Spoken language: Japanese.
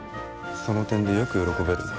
その点でよく喜べるな。